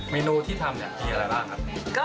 เมนูที่ทำเนี่ยมีอะไรบ้างครับ